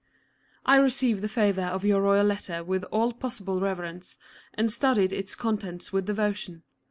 I received the favour of your royal letter with all possible reverence, and studied its contents with devotion.